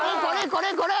これこれ！